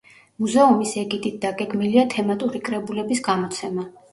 მუზეუმის ეგიდით დაგეგმილია თემატური კრებულების გამოცემა.